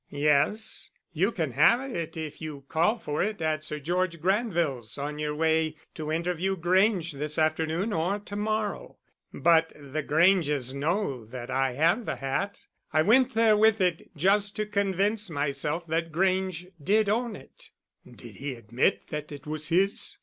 "Yes. You can have it if you call for it at Sir George Granville's, on your way to interview Grange this afternoon or to morrow. But the Granges know that I have the hat. I went there with it just to convince myself that Grange did own it." "Did he admit that it was his?"